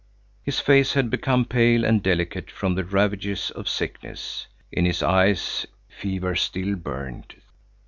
His face had become pale and delicate from the ravages of sickness. In his eyes fever still burned.